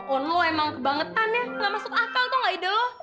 hah on lo emang kebangetan ya ga masuk akal tau ga ide lo